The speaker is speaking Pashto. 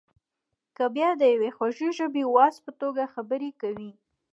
کله بیا د یوې خوږ ژبې واعظ په توګه خبرې کوي.